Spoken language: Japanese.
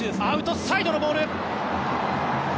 アウトサイドのボール。